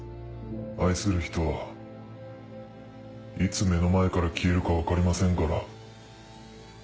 愛する人はいつ目の前から消えるか分かりませんから。